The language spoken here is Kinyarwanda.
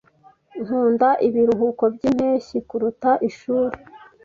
Nkunda ibiruhuko byimpeshyi kuruta ishuri.